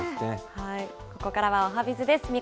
ここからはおはＢｉｚです。